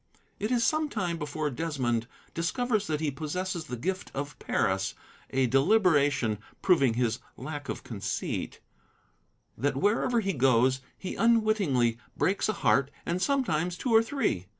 "It is some time before Desmond discovers that he possesses the gift of Paris, a deliberation proving his lack of conceit, that wherever he goes he unwittingly breaks a heart, and sometimes two or three.